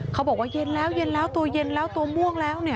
เขาบอกว่าเย็นแล้วตัวเย็นแล้วตัวม่วงแล้ว